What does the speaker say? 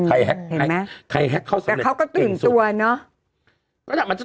เขาก็ตื่นตัวเนาะ